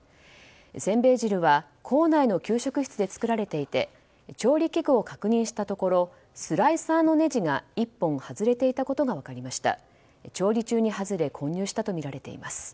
せんべい汁は校内の給食室で作られていて調理器具を確認したところスライサーのねじが１本、外れていたことが分かりました。